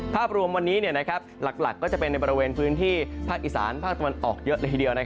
ภาพรวมวันนี้หลักก็จะเป็นในบริเวณพื้นที่ภาคอีสานภาคตะวันออกเยอะเลยทีเดียว